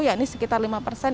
ya ini sekitar lima persen